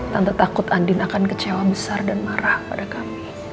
tanda takut andin akan kecewa besar dan marah pada kami